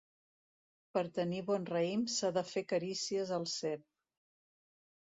Per tenir bon raïm s'ha de fer carícies al cep.